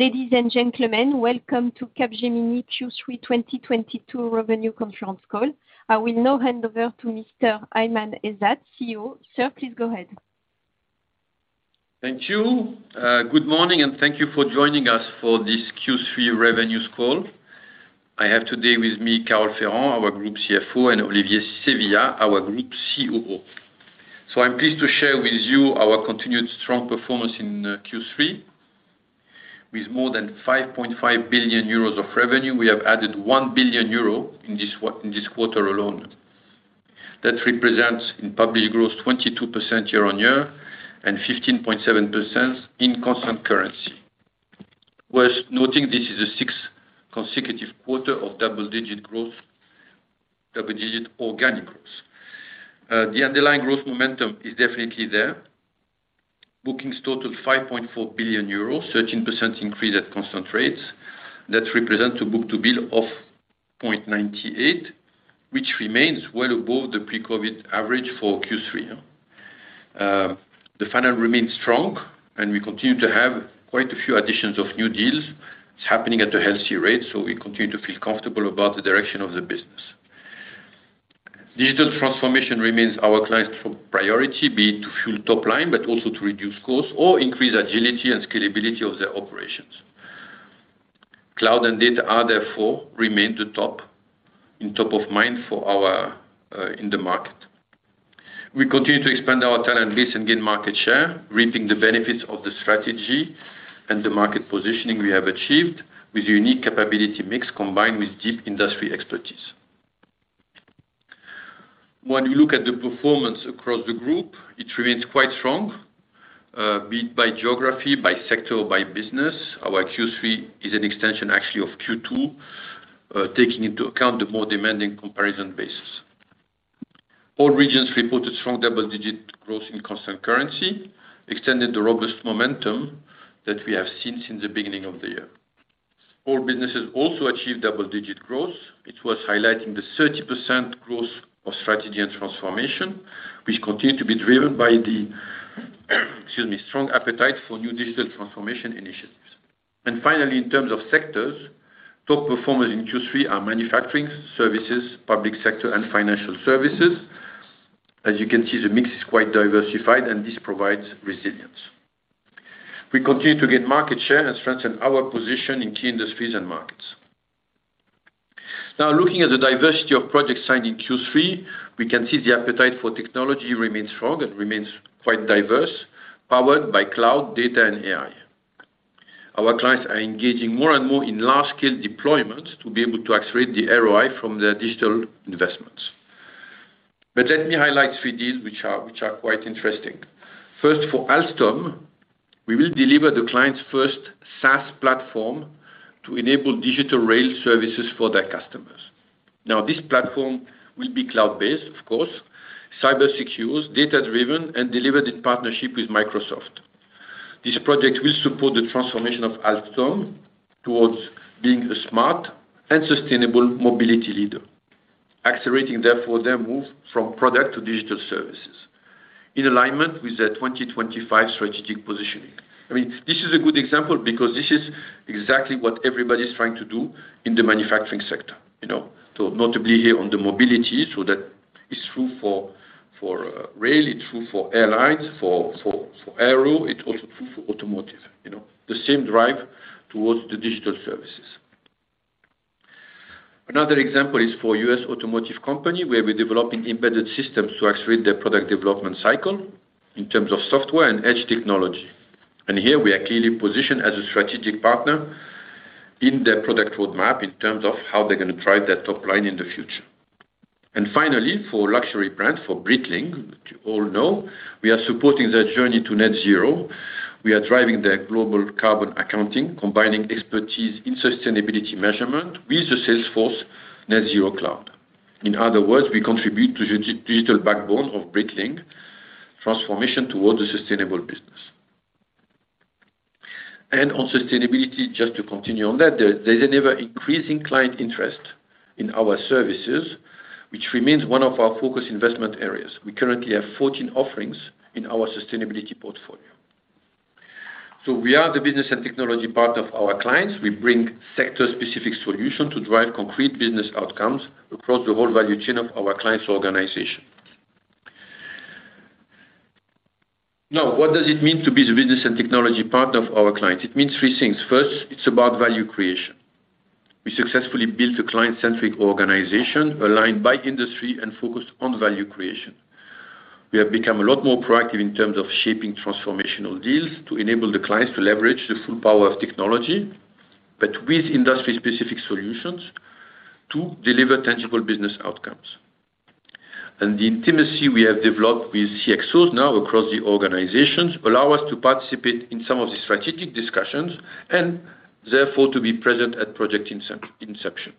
Ladies and gentlemen, welcome to Capgemini Q3 2022 Revenue Conference Call. I will now hand over to Mr. Aiman Ezzat, CEO. Sir, please go ahead. Thank you. Good morning, and thank you for joining us for this Q3 revenue call. I have today with me Carole Ferrand, our Group CFO, and Olivier Sevillia, our Group COO. I'm pleased to share with you our continued strong performance in Q3. With more than 5.5 billion euros of revenue, we have added 1 billion euro in this quarter alone. That represents, in organic growth, 22% year-on-year and 15.7% in constant currency. Worth noting, this is the sixth consecutive quarter of double-digit growth, double-digit organic growth. The underlying growth momentum is definitely there. Bookings totaled 5.4 billion euros, 13% increase at constant currency. That represent a book-to-bill of 0.98, which remains well above the pre-COVID average for Q3. The funnel remains strong, and we continue to have quite a few additions of new deals. It's happening at a healthy rate, so we continue to feel comfortable about the direction of the business. Digital transformation remains our client's priority, be it to fuel top line, but also to reduce costs or increase agility and scalability of their operations. Cloud and data are therefore remain the top, in top of mind for our, in the market. We continue to expand our talent base and gain market share, reaping the benefits of the strategy and the market positioning we have achieved with unique capability mix combined with deep industry expertise. When you look at the performance across the group, it remains quite strong, be it by geography, by sector, or by business. Our Q3 is an extension actually of Q2, taking into account the more demanding comparison basis. All regions reported strong double-digit growth in constant currency, extending the robust momentum that we have seen since the beginning of the year. All businesses also achieved double-digit growth, which was highlighting the 30% growth of Strategy and Transformation, which continued to be driven by the strong appetite for new digital transformation initiatives. Finally, in terms of sectors, top performers in Q3 are manufacturing, services, public sector and financial services. As you can see, the mix is quite diversified and this provides resilience. We continue to gain market share and strengthen our position in key industries and markets. Now, looking at the diversity of projects signed in Q3, we can see the appetite for technology remains strong and remains quite diverse, powered by cloud, data and AI. Our clients are engaging more and more in large-scale deployments to be able to accelerate the ROI from their digital investments. Let me highlight three deals which are quite interesting. First, for Alstom, we will deliver the client's first SaaS platform to enable digital rail services for their customers. Now, this platform will be cloud-based, of course, cyber-secure, data-driven, and delivered in partnership with Microsoft. This project will support the transformation of Alstom towards being a smart and sustainable mobility leader, accelerating therefore their move from product to digital services in alignment with their 2025 strategic positioning. I mean, this is a good example because this is exactly what everybody's trying to do in the manufacturing sector, you know. Notably here on the mobility, so that is true for rail, it's true for airlines, for aero, it's also true for automotive. You know? The same drive towards the digital services. Another example is for US Automotive Company, where we're developing embedded systems to accelerate their product development cycle in terms of software and edge technology. Here we are clearly positioned as a strategic partner in their product roadmap in terms of how they're gonna drive their top line in the future. Finally, for luxury brand, for Breitling, that you all know, we are supporting their journey to net zero. We are driving their global carbon accounting, combining expertise in sustainability measurement with the Salesforce Net Zero Cloud. In other words, we contribute to the digital backbone of Breitling transformation towards a sustainable business. On sustainability, just to continue on that, there's an ever-increasing client interest in our services, which remains one of our focus investment areas. We currently have 14 offerings in our sustainability portfolio. We are the business and technology partner of our clients. We bring sector-specific solution to drive concrete business outcomes across the whole value chain of our clients' organization. Now, what does it mean to be the business and technology partner of our clients? It means three things. First, it's about value creation. We successfully built a client-centric organization aligned by industry and focused on value creation. We have become a lot more proactive in terms of shaping transformational deals to enable the clients to leverage the full power of technology, but with industry-specific solutions to deliver tangible business outcomes. The intimacy we have developed with CXOs now across the organizations allow us to participate in some of the strategic discussions and therefore to be present at project inception.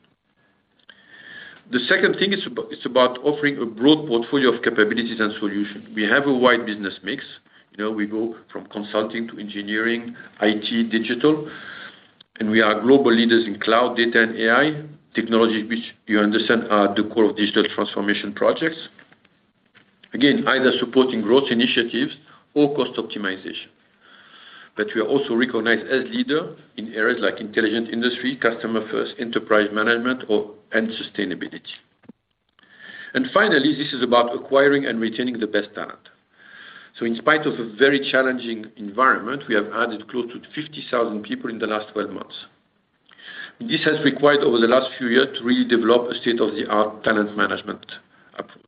The second thing is it's about offering a broad portfolio of capabilities and solutions. We have a wide business mix. You know, we go from consulting to engineering, IT, digital, and we are global leaders in cloud data and AI technology, which you understand are the core of digital transformation projects. Again, either supporting growth initiatives or cost optimization. We are also recognized as leader in areas like Intelligent Industry, Customer First, Enterprise Management, or and sustainability. Finally, this is about acquiring and retaining the best talent. In spite of a very challenging environment, we have added close to 50,000 people in the last 12 months. This has required over the last few years to redevelop a state-of-the-art talent management approach.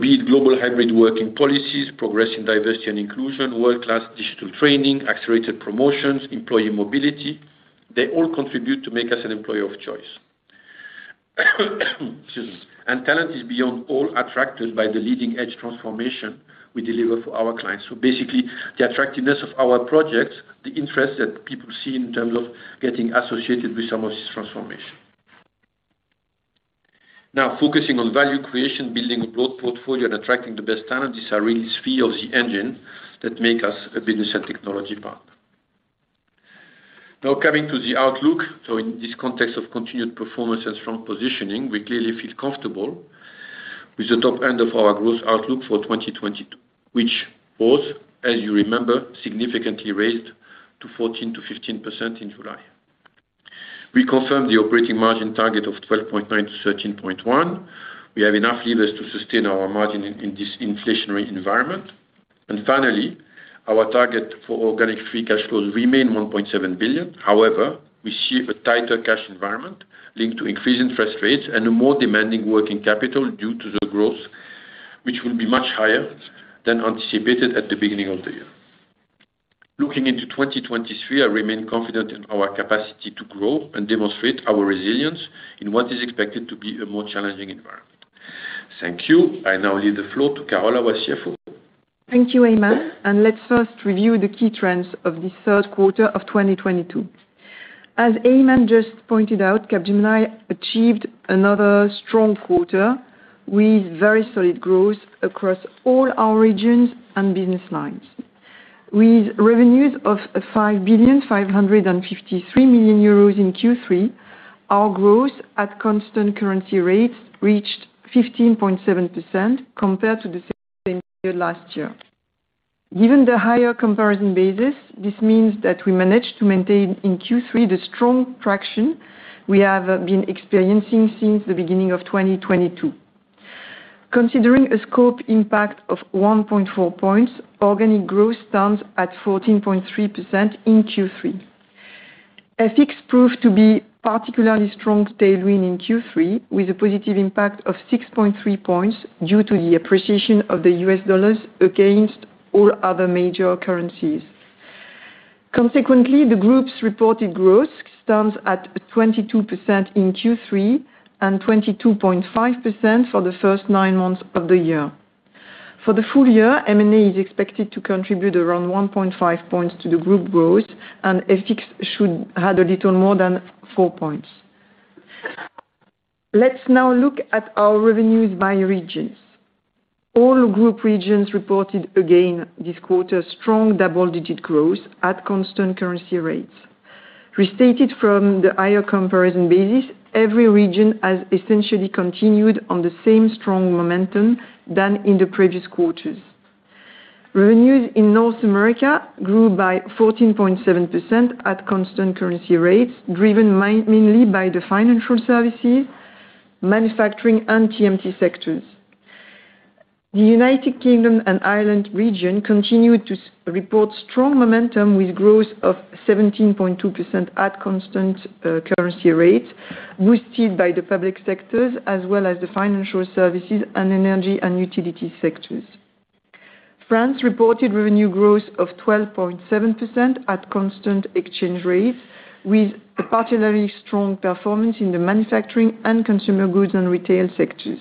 Be it global hybrid working policies, progressing diversity and inclusion, world-class digital training, accelerated promotions, employee mobility, they all contribute to make us an employer of choice. Excuse me. Talent is being attracted by the leading-edge transformation we deliver for our clients. Basically, the attractiveness of our projects, the interest that people see in terms of getting associated with some of this transformation. Focusing on value creation, building a broad portfolio, and attracting the best talent, these are really three of the engines that make us a business and technology partner. Coming to the outlook. In this context of continued performance and strong positioning, we clearly feel comfortable with the top end of our growth outlook for 2024, which was, as you remember, significantly raised to 14%-15% in July. We confirm the operating margin target of 12.9%-13.1%. We have enough levers to sustain our margin in this inflationary environment. Finally, our target for organic free cash flow remain 1.7 billion. However, we see a tighter cash environment linked to increasing interest rates and a more demanding working capital due to the growth, which will be much higher than anticipated at the beginning of the year. Looking into 2023, I remain confident in our capacity to grow and demonstrate our resilience in what is expected to be a more challenging environment. Thank you. I now leave the floor to Carole, our CFO. Thank you, Aiman Ezzat. Let's first review the key trends of this third quarter of 2022. As Aiman Ezzat just pointed out, Capgemini achieved another strong quarter with very solid growth across all our regions and business lines. With revenues of 5.553 billion euros in Q3, our growth at constant currency rates reached 15.7% compared to the same period last year. Given the higher comparison basis, this means that we managed to maintain in Q3 the strong traction we have been experiencing since the beginning of 2022. Considering a scope impact of 1.4 points, organic growth stands at 14.3% in Q3. FX proved to be particularly strong tailwind in Q3, with a positive impact of 6.3 points due to the appreciation of the US dollar against all other major currencies. Consequently, the group's reported growth stands at 22% in Q3 and 22.5% for the first nine months of the year. For the full year, M&A is expected to contribute around 1.5 points to the group growth, and FX should add a little more than four points. Let's now look at our revenues by regions. All group regions reported again this quarter strong double-digit growth at constant currency rates. Restated from the higher comparison basis, every region has essentially continued on the same strong momentum than in the previous quarters. Revenues in North America grew by 14.7% at constant currency rates, driven mainly by the financial services, manufacturing, and TMT sectors. The United Kingdom and Ireland region continued to report strong momentum with growth of 17.2% at constant currency rates, boosted by the public sectors as well as the financial services and energy and utility sectors. France reported revenue growth of 12.7% at constant exchange rates, with a particularly strong performance in the manufacturing and consumer goods and retail sectors.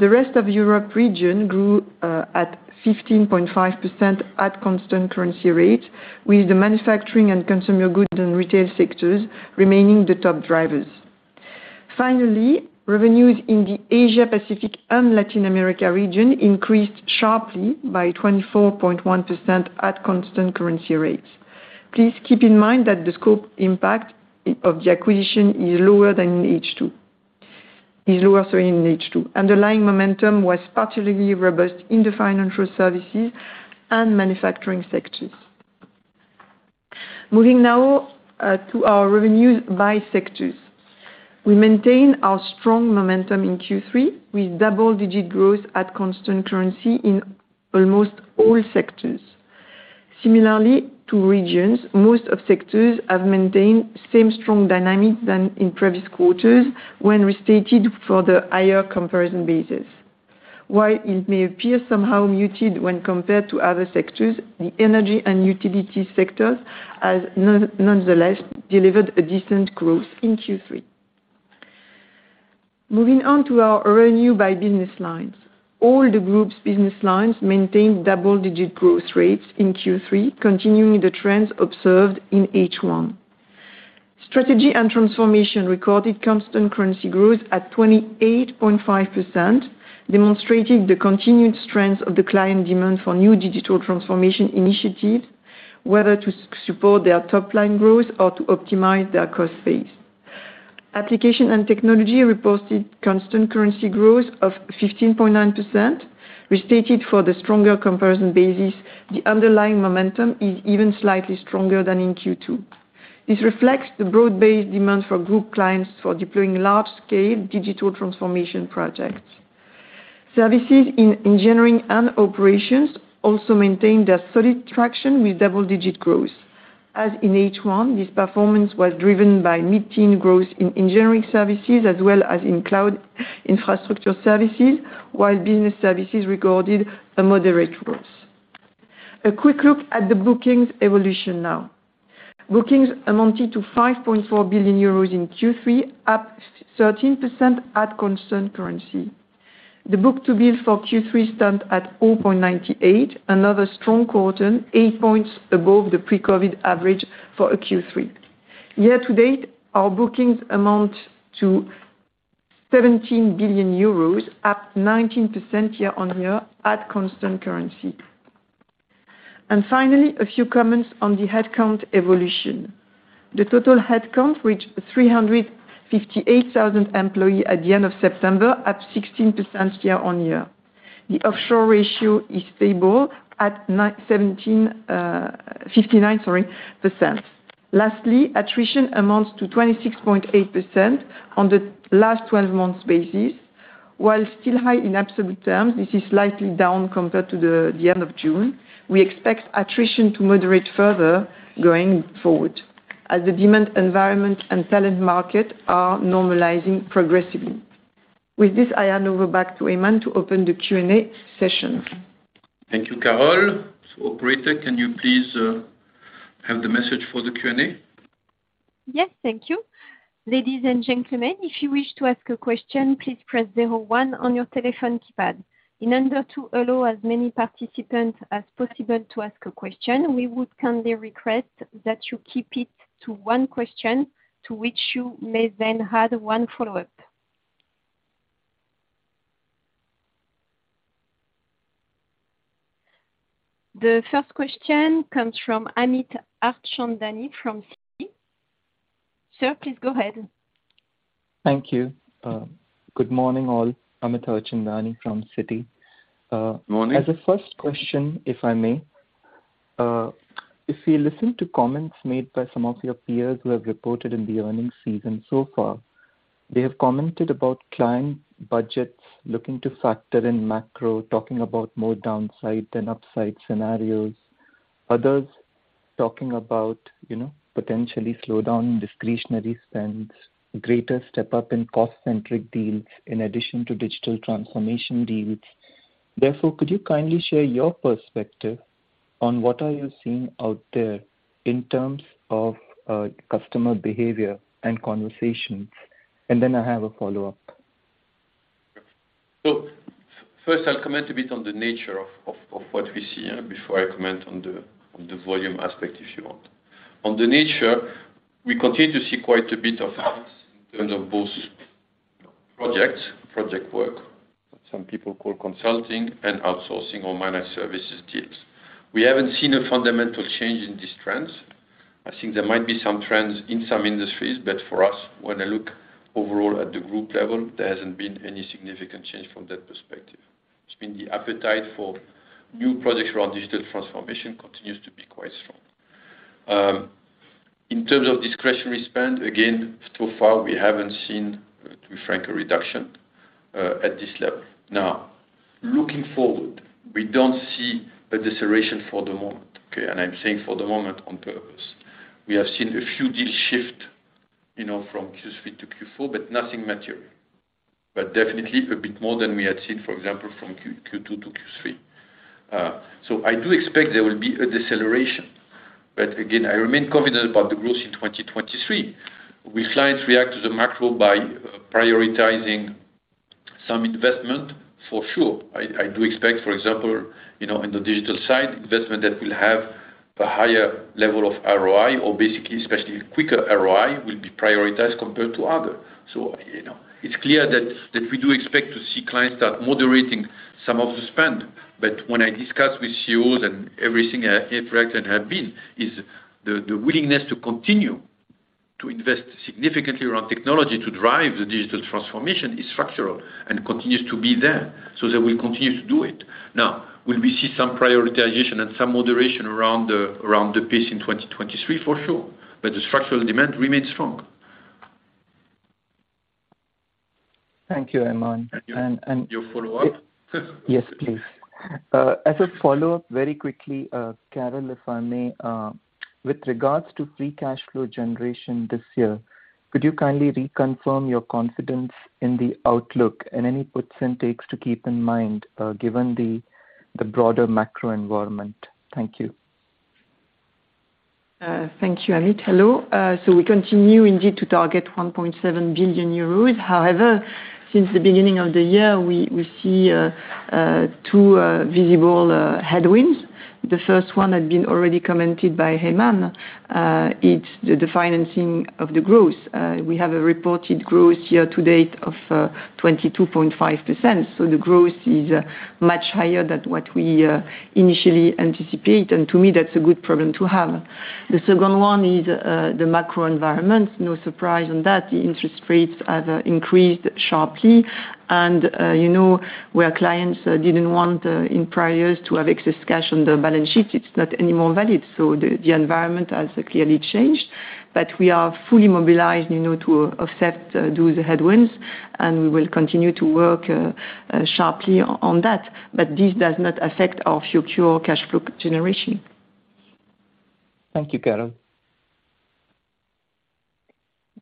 The rest of Europe region grew at 15.5% at constant currency rates, with the manufacturing and consumer goods and retail sectors remaining the top drivers. Finally, revenues in the Asia, Pacific, and Latin America region increased sharply by 24.1% at constant currency rates. Please keep in mind that the scope impact of the acquisition is lower than in H2. Underlying momentum was particularly robust in the financial services and manufacturing sectors. Moving now to our revenues by sectors. We maintain our strong momentum in Q3 with double-digit growth at constant currency in almost all sectors. Similarly to regions, most of sectors have maintained same strong dynamics than in previous quarters when restated for the higher comparison basis. While it may appear somehow muted when compared to other sectors, the energy and utility sectors has nonetheless delivered a decent growth in Q3. Moving on to our revenue by business lines. All the group's business lines maintained double-digit growth rates in Q3, continuing the trends observed in H1. Strategy and Transformation recorded constant currency growth at 28.5%, demonstrating the continued strength of the client demand for new digital transformation initiatives, whether to support their top-line growth or to optimize their cost base. Application and technology reported constant currency growth of 15.9% restated for the stronger comparison basis. The underlying momentum is even slightly stronger than in Q2. This reflects the broad-based demand for group clients for deploying large-scale digital transformation projects. Services in engineering and operations also maintained a solid traction with double-digit growth. As in H1, this performance was driven by mid-teen growth in engineering services as well as in cloud infrastructure services, while business services recorded a moderate growth. A quick look at the bookings evolution now. Bookings amounted to 5.4 billion euros in Q3, up 13% at constant currency. The book-to-bill for Q3 stands at 0.98. Another strong quarter, eight points above the pre-COVID average for a Q3. Year to date, our bookings amount to 17 billion euros, up 19% year on year at constant currency. Finally, a few comments on the headcount evolution. The total headcount reached 358,000 employees at the end of September, up 16% year on year. The offshore ratio is stable at 59%. Lastly, attrition amounts to 26.8% on the last twelve months basis. While still high in absolute terms, this is slightly down compared to the end of June. We expect attrition to moderate further going forward as the demand environment and talent market are normalizing progressively. With this, I hand over back to Aiman to open the Q&A session. Thank you, Carole. Operator, can you please have the message for the Q&A? Yes, thank you. Ladies and gentlemen, if you wish to ask a question, please press zero one on your telephone keypad. In order to allow as many participants as possible to ask a question, we would kindly request that you keep it to one question to which you may then add one follow-up. The first question comes from Amit Harchandani from Citi. Sir, please go ahead. Thank you. Good morning, all. Amit Harchandani from Citi. Morning. As a first question, if I may, if you listen to comments made by some of your peers who have reported in the earnings season so far, they have commented about client budgets looking to factor in macro, talking about more downside than upside scenarios. Others talking about, you know, potentially slowdown in discretionary spends, greater step-up in cost-centric deals in addition to digital transformation deals. Therefore, could you kindly share your perspective on what are you seeing out there in terms of customer behavior and conversations? And then I have a follow-up. First I'll comment a bit on the nature of what we see, yeah, before I comment on the volume aspect, if you want. On the nature, we continue to see quite a bit of balance in terms of both projects, project work, some people call consulting and outsourcing or managed services deals. We haven't seen a fundamental change in these trends. I think there might be some trends in some industries, but for us, when I look overall at the group level, there hasn't been any significant change from that perspective. It's been the appetite for new projects around digital transformation continues to be quite strong. In terms of discretionary spend, again, so far we haven't seen, to be frank, a reduction at this level. Now, looking forward, we don't see a deceleration for the moment, okay? I'm saying for the moment on purpose. We have seen a few deals shift, you know, from Q3 to Q4, but nothing material. But definitely a bit more than we had seen, for example, from Q2 to Q3. So I do expect there will be a deceleration. But again, I remain confident about the growth in 2023. Will clients react to the macro by prioritizing some investment? For sure. I do expect, for example, you know, in the digital side, investment that will have a higher level of ROI or basically especially quicker ROI will be prioritized compared to other. So, you know, it's clear that we do expect to see clients start moderating some of the spend. When I discuss with CEOs and everyone I interact with and have been, the willingness to continue to invest significantly around technology to drive the digital transformation is structural and continues to be there, so they will continue to do it. Now, will we see some prioritization and some moderation around the pace in 2023? For sure. The structural demand remains strong. Thank you, Aiman Ezzat. Your follow-up. Yes, please. As a follow-up, very quickly, Carole, if I may, with regards to free cash flow generation this year, could you kindly reconfirm your confidence in the outlook and any puts and takes to keep in mind, given the broader macro environment? Thank you. Thank you, Amit. Hello. So we continue indeed to target 1.7 billion euros. However, since the beginning of the year, we see two visible headwinds. The first one had been already commented by Aiman. It's the financing of the growth. We have a reported growth year to date of 22.5%, so the growth is much higher than what we initially anticipate. To me, that's a good problem to have. The second one is, the macro environment. No surprise on that. The interest rates have increased sharply and, you know, where clients didn't want, in prior years to have excess cash on the balance sheet, it's not anymore valid. The environment has clearly changed, but we are fully mobilized, you know, to offset, those headwinds, and we will continue to work, sharply on that. This does not affect our future cash flow generation. Thank you, Carole.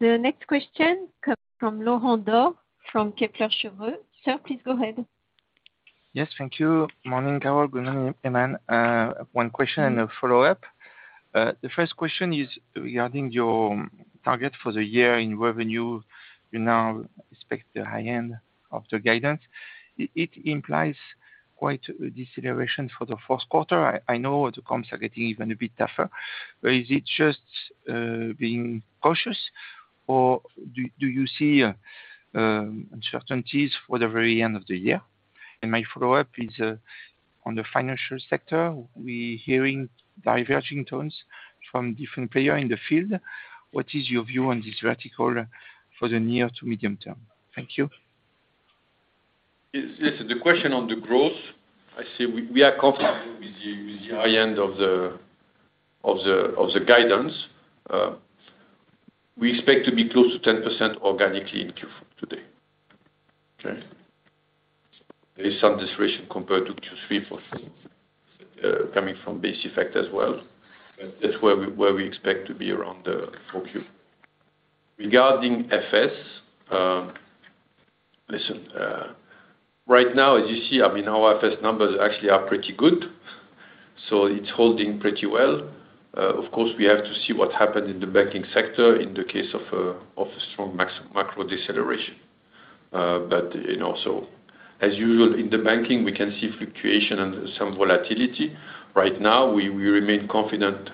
The next question comes from Laurent Daure from Kepler Cheuvreux. Sir, please go ahead. Yes, thank you. Morning, Carole. Good morning, Aiman. One question and a follow-up. The first question is regarding your target for the year in revenue. You now expect the high end of the guidance. It implies quite a deceleration for the first quarter. I know the comps are getting even a bit tougher, but is it just being cautious or do you see uncertainties for the very end of the year? My follow-up is on the financial sector. We're hearing diverging tones from different players in the field. What is your view on this vertical for the near to medium term? Thank you. Yes. The question on the growth, I say we are confident with the high end of the guidance. We expect to be close to 10% organically in Q4 today. Okay. There is some deceleration compared to Q3 coming from base effect as well. That's where we expect to be around 10% for Q4. Regarding FS, listen, right now, as you see, I mean, our FS numbers actually are pretty good, so it's holding pretty well. Of course, we have to see what happens in the banking sector in the case of a strong macro deceleration. You know, as usual in the banking, we can see fluctuation and some volatility. Right now, we remain confident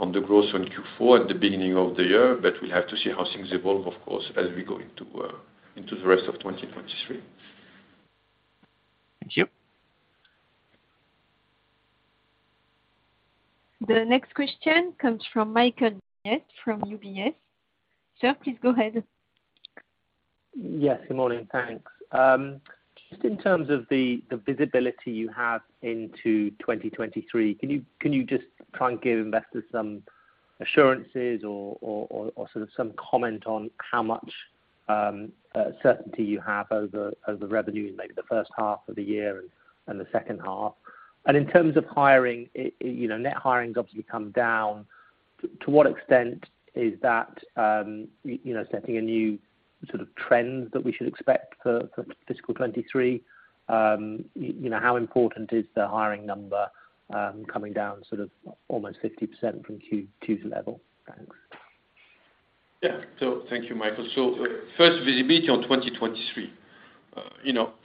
on the growth on Q4 at the beginning of the year, but we have to see how things evolve, of course, as we go into the rest of 2023. Thank you. The next question comes from Michael Briest from UBS. Sir, please go ahead. Yes. Good morning. Thanks. Just in terms of the visibility you have into 2023, can you just try and give investors some assurances or sort of some comment on how much certainty you have over revenue in maybe the first half of the year and the second half? In terms of hiring, you know, net hiring obviously come down. To what extent is that, you know, setting a new sort of trend that we should expect for fiscal 2023? You know, how important is the hiring number coming down sort of almost 50% from Q4 level? Thanks. Yeah. Thank you, Michael. First, visibility on 2023.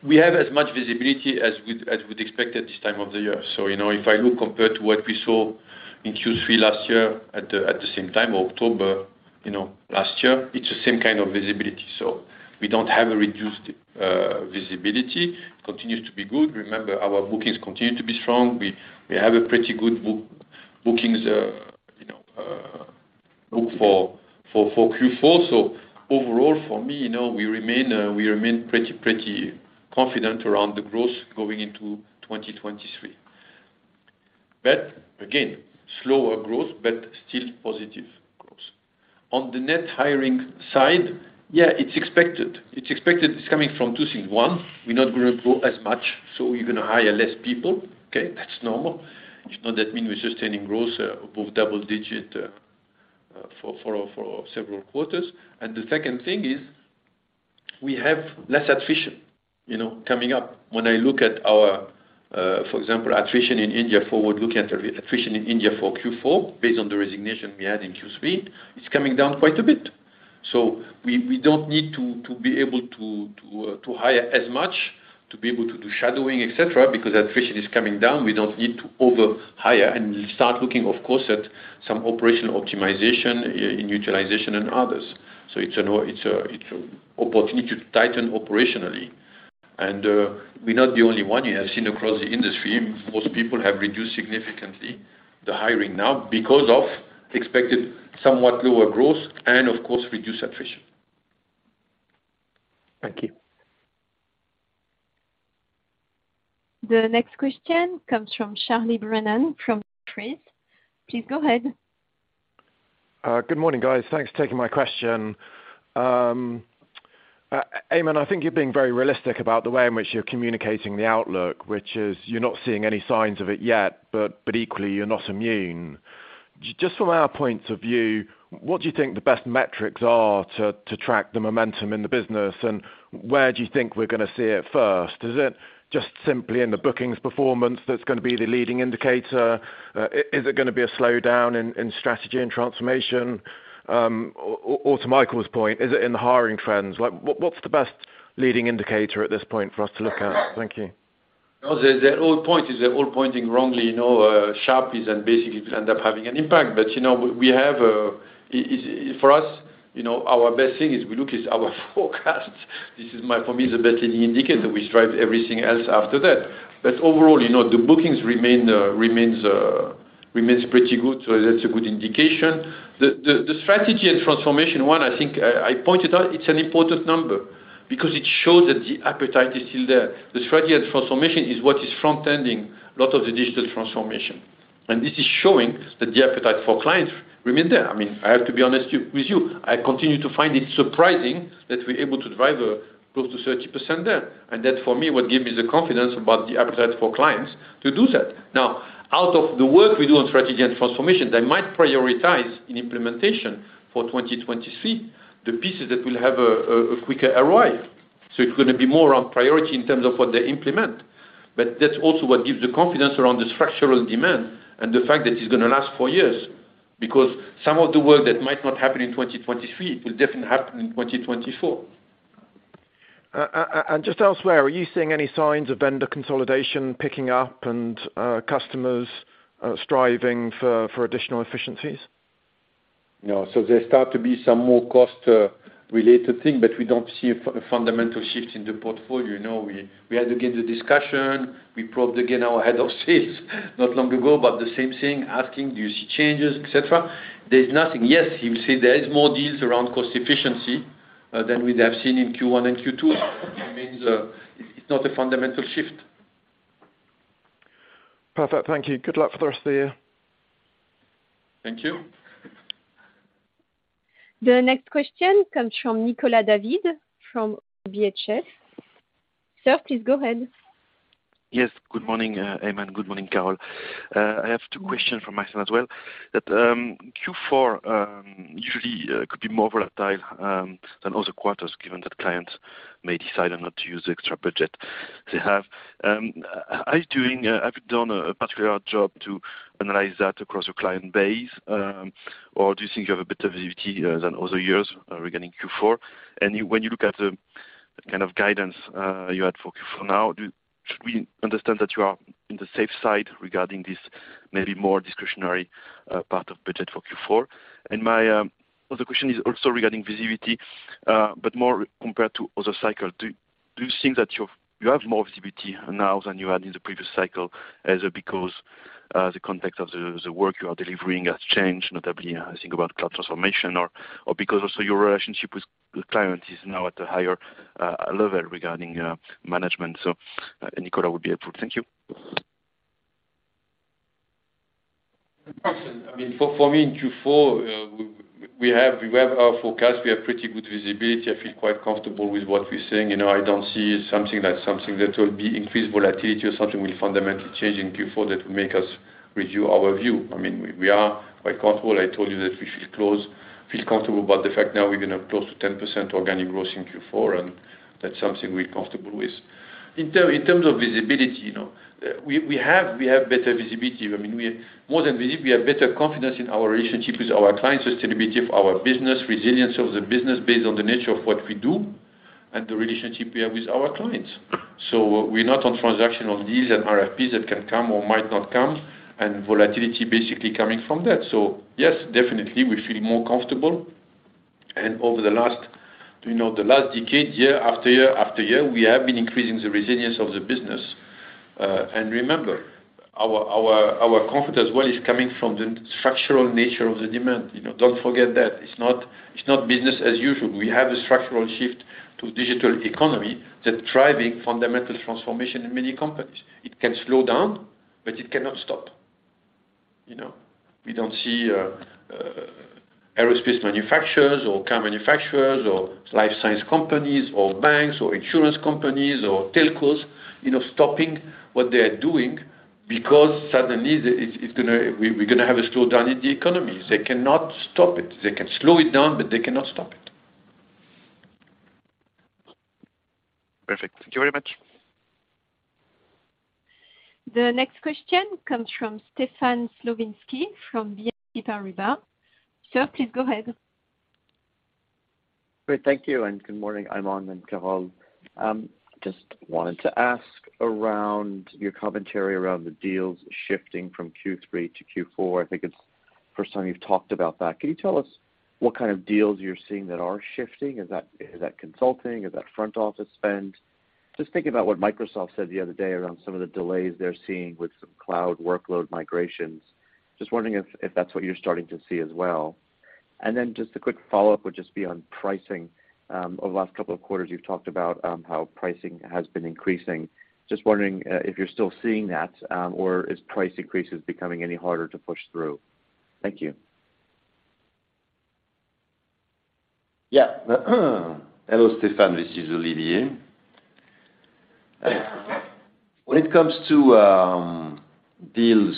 We have as much visibility as we'd expect at this time of the year. If I look compared to what we saw in Q3 last year at the same time, or October last year, it's the same kind of visibility. We don't have a reduced visibility. Continues to be good. Remember, our bookings continue to be strong. We have a pretty good book-to-bill for Q4. Overall for me, we remain pretty confident around the growth going into 2023. Again, slower growth, but still positive growth. On the net hiring side, it's expected. It's coming from two things. One, we're not gonna grow as much, so we're gonna hire less people, okay? That's normal. It's not that we mean we're sustaining growth above double-digit for several quarters. The second thing is we have less attrition, you know, coming up. When I look at our, for example, attrition in India forward-looking, attrition in India for Q4, based on the resignation we had in Q3, it's coming down quite a bit. So we don't need to be able to to hire as much to be able to do shadowing, et cetera, because attrition is coming down. We don't need to over-hire and start looking of course at some operational optimization in utilization and others. So it's an opportunity to tighten operationally. We're not the only one. You have seen across the industry, most people have reduced significantly the hiring now because of expected somewhat lower growth and of course reduced attrition. Thank you. The next question comes from Charles Brennan from Jefferies. Please go ahead. Good morning, guys. Thanks for taking my question. Aiman, I think you're being very realistic about the way in which you're communicating the outlook, which is you're not seeing any signs of it yet, but equally, you're not immune. Just from our point of view, what do you think the best metrics are to track the momentum in the business, and where do you think we're gonna see it first? Is it just simply in the bookings performance that's gonna be the leading indicator? Is it gonna be a slowdown in Strategy and Transformation? Or to Michael's point, is it in the hiring trends? Like, what's the best leading indicator at this point for us to look at? Thank you. No, the whole point is they're all pointing wrongly, you know, sharply and basically to end up having an impact, but you know, for us, you know, our best thing is we look is our forecast. This is, for me, the best indicator. We drive everything else after that. Overall, you know, the bookings remain pretty good, so that's a good indication. The Strategy and Transformation one, I think I pointed out it's an important number because it shows that the appetite is still there. The Strategy and Transformation is what is front-ending a lot of the digital transformation, and this is showing that the appetite for clients remain there. I mean, I have to be honest with you. I continue to find it surprising that we're able to drive close to 30% there. That, for me, what gave me the confidence about the appetite for clients to do that. Now, out of the work we do on Strategy and Transformation, they might prioritize in implementation for 2023 the pieces that will have a quicker ROI. It's gonna be more around priority in terms of what they implement. That's also what gives the confidence around the structural demand and the fact that it's gonna last four years. Because some of the work that might not happen in 2023 will definitely happen in 2024. Just elsewhere, are you seeing any signs of vendor consolidation picking up and customers striving for additional efficiencies? No. There start to be some more cost-related thing, but we don't see a fundamental shift in the portfolio. No, we had, again, the discussion. We probed again our head of sales not long ago about the same thing, asking, "Do you see changes," et cetera. There's nothing. Yes, you will see there is more deals around cost efficiency than we have seen in Q1 and Q2. It means, it's not a fundamental shift. Perfect. Thank you. Good luck for the rest of the year. Thank you. The next question comes from Nicolas David from ODDO BHF. Sir, please go ahead. Yes. Good morning, Aiman. Good morning, Carole. I have two question from my side as well. Q4 usually could be more volatile than other quarters, given that clients may decide on not to use the extra budget they have. Have you done a particular job to analyze that across your client base? Or do you think you have a better visibility than other years regarding Q4? When you look at the kind of guidance you had for Q4 now, should we understand that you are on the safe side regarding this maybe more discretionary part of budget for Q4? My other question is also regarding visibility, but more compared to other cycle. Do you think that you have more visibility now than you had in the previous cycle? Is it because the context of the work you are delivering has changed, notably I think about cloud transformation or because also your relationship with the client is now at a higher level regarding management? Nicolas would be helpful. Thank you. Of course. I mean, for me, in Q4, we have our forecast. We have pretty good visibility. I feel quite comfortable with what we're saying. You know, I don't see something that will be increased volatility or something will fundamentally change in Q4 that will make us review our view. I mean, we are quite comfortable. I told you that we feel comfortable about the fact now we're gonna have close to 10% organic growth in Q4, and that's something we're comfortable with. In terms of visibility, you know, we have better visibility. I mean, we have better confidence in our relationship with our clients, sustainability of our business, resilience of the business based on the nature of what we do, and the relationship we have with our clients. We're not on transactional deals and RFPs that can come or might not come, and volatility basically coming from that. Yes, definitely we're feeling more comfortable. Over the last, you know, the last decade, year after year after year, we have been increasing the resilience of the business. Remember, our comfort as well is coming from the structural nature of the demand, you know. Don't forget that. It's not, it's not business as usual. We have a structural shift to digital economy that's driving fundamental transformation in many companies. It can slow down, but it cannot stop, you know. We don't see aerospace manufacturers or car manufacturers or life science companies or banks or insurance companies or telcos, you know, stopping what they are doing because suddenly we're gonna have a slowdown in the economy. They cannot stop it. They can slow it down, but they cannot stop it. Perfect. Thank you very much. The next question comes from Stefan Slowinski from BNP Paribas. Sir, please go ahead. Great. Thank you, and good morning, Aiman and Carole. Just wanted to ask about your commentary around the deals shifting from Q3 to Q4. I think it's first time you've talked about that. Can you tell us what kind of deals you're seeing that are shifting? Is that consulting? Is that front office spend? Just thinking about what Microsoft said the other day around some of the delays they're seeing with some cloud workload migrations, just wondering if that's what you're starting to see as well. Just a quick follow-up would just be on pricing. Over the last couple of quarters, you've talked about how pricing has been increasing. Just wondering if you're still seeing that or is price increases becoming any harder to push through? Thank you. Yeah. Hello, Stefan. This is Olivier. When it comes to deals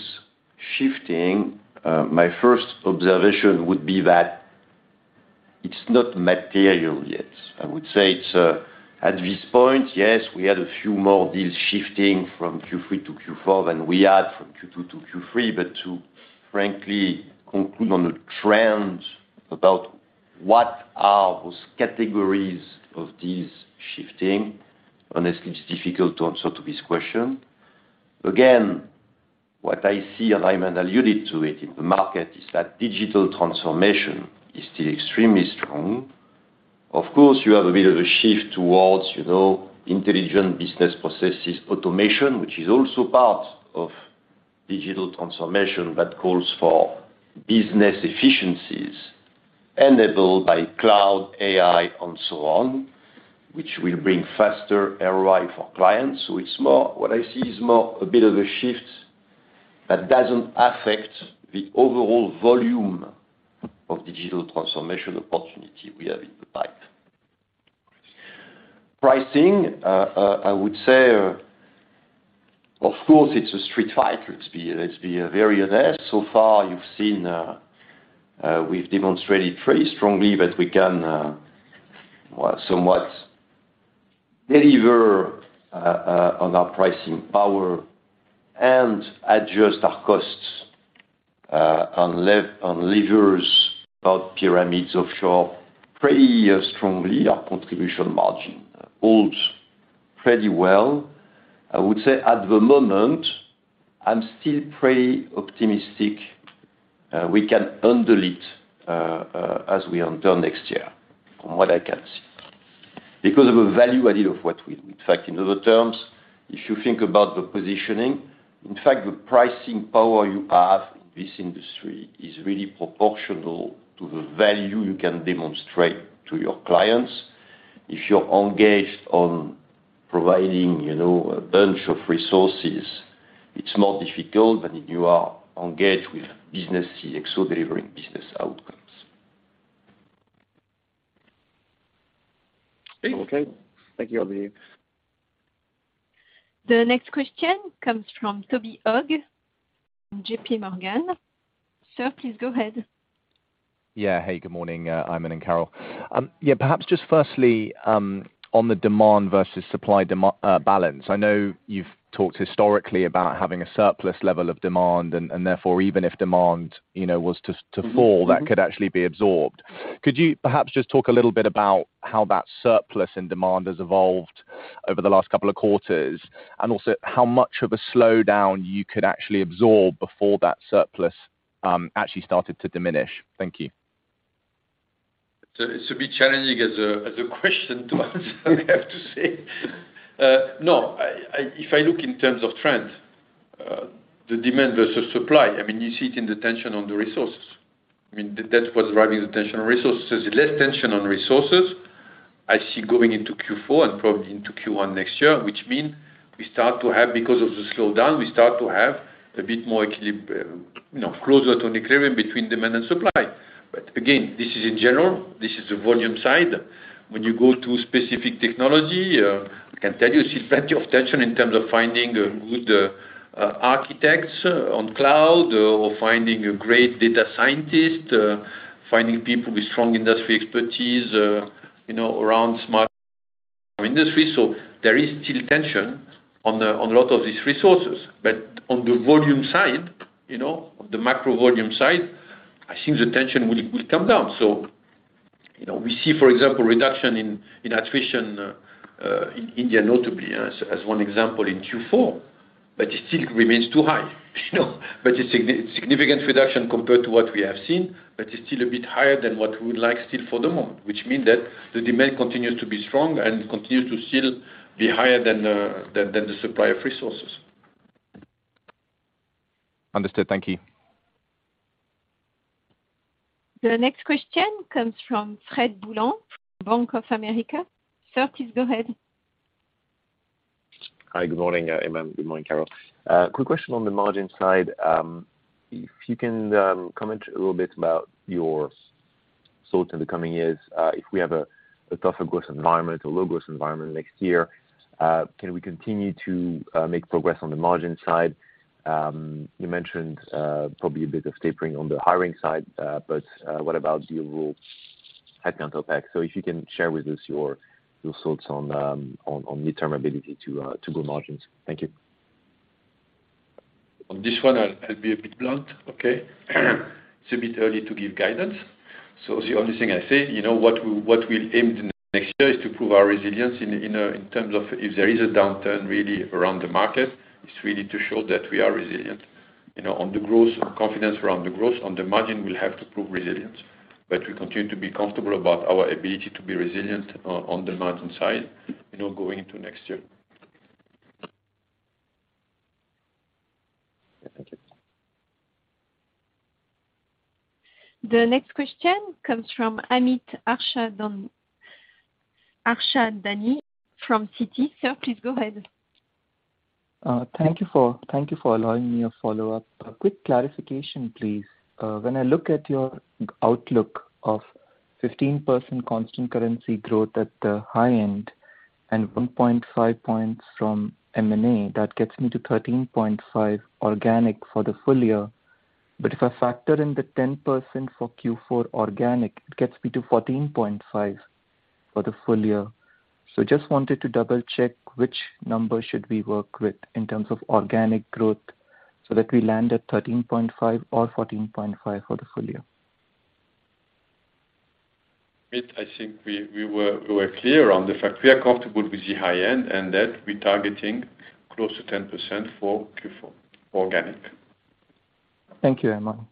shifting, my first observation would be that it's not material yet. I would say it's at this point, yes, we had a few more deals shifting from Q3 to Q4 than we had from Q2 to Q3, but to frankly conclude on the trends about what are those categories of deals shifting, honestly, it's difficult to answer to this question. Again, what I see, and I alluded to it in the market, is that digital transformation is still extremely strong. Of course, you have a bit of a shift towards, you know, intelligent business processes, automation, which is also part of digital transformation that calls for business efficiencies enabled by cloud, AI, and so on, which will bring faster ROI for clients. It's more, what I see is more a bit of a shift that doesn't affect the overall volume of digital transformation opportunity we have in the pipe. Pricing, I would say, of course, it's a street fight. It's been very tight. So far, you've seen, we've demonstrated pretty strongly that we can somewhat deliver on our pricing power and adjust our costs on levers about pyramid offshore pretty strongly. Our contribution margin holds pretty well. I would say at the moment, I'm still pretty optimistic we can handle it as we enter next year from what I can see. Because of the value added of what we do. In fact, in other terms, if you think about the positioning, in fact, the pricing power you have in this industry is really proportional to the value you can demonstrate to your clients. If you're engaged on providing, you know, a bunch of resources, it's more difficult than if you are engaged with business CXO delivering business outcomes. Okay. Thank you, Olivier. The next question comes from Toby Ogg from JP Morgan. Sir, please go ahead. Yeah. Hey, good morning, Aiman and Carole. Yeah, perhaps just firstly, on the demand versus supply balance. I know you've talked historically about having a surplus level of demand, and therefore, even if demand, you know, was to fall- Mm-hmm. That could actually be absorbed. Could you perhaps just talk a little bit about how that surplus and demand has evolved over the last couple of quarters? How much of a slowdown you could actually absorb before that surplus actually started to diminish? Thank you. It's a bit challenging as a question to answer, I have to say. No, if I look in terms of trend, the demand versus supply, I mean, you see it in the tension on the resources. I mean, that's what's driving the tension on resources. There's less tension on resources I see going into Q4 and probably into Q1 next year, which mean we start to have, because of the slowdown, a bit more closer to an equilibrium between demand and supply. Again, this is in general. This is the volume side. When you go to specific technology, I can tell you, we see plenty of tension in terms of finding good cloud architects or finding a great data scientist, finding people with strong industry expertise, you know, around smart industry. There is still tension on a lot of these resources. On the volume side, you know, the macro volume side, I think the tension will come down. You know, we see, for example, reduction in attrition in India notably as one example in Q4, but it still remains too high, you know. It's significant reduction compared to what we have seen, but it's still a bit higher than what we would like still for the moment, which means that the demand continues to be strong and continues to still be higher than the supply of resources. Understood. Thank you. The next question comes from Frederic Boulan from Bank of America. Sir, please go ahead. Hi, good morning, Aiman. Good morning, Carole. Quick question on the margin side. If you can comment a little bit about your thoughts in the coming years, if we have a tougher growth environment or low growth environment next year, can we continue to make progress on the margin side? You mentioned probably a bit of tapering on the hiring side, but what about the overall headcount impact? If you can share with us your thoughts on the ability to grow margins. Thank you. On this one, I'll be a bit blunt, okay? It's a bit early to give guidance. The only thing I say, you know what we'll aim to next year is to prove our resilience in terms of if there is a downturn really around the market, it's really to show that we are resilient. You know, on the growth, confidence around the growth. On the margin, we'll have to prove resilience. We continue to be comfortable about our ability to be resilient on the margin side, you know, going into next year. Thank you. The next question comes from Amit Harchandani from Citi. Sir, please go ahead. Thank you for allowing me a follow-up. A quick clarification, please. When I look at your outlook of 15% constant currency growth at the high end and 1.5 points from M&A, that gets me to 13.5 organic for the full year. But if I factor in the 10% for Q4 organic, it gets me to 14.5 for the full year. Just wanted to double-check which number should we work with in terms of organic growth so that we land at 13.5 or 14.5 for the full year. Amit, I think we were clear on the fact we are comfortable with the high end and that we're targeting close to 10% for Q4 organic. Thank you, Aiman.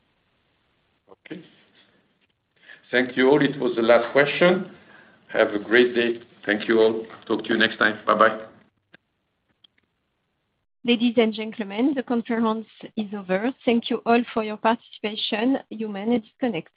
Okay. Thank you all. It was the last question. Have a great day. Thank you all. Talk to you next time. Bye-bye. Ladies and gentlemen, the conference is over. Thank you all for your participation. You may disconnect.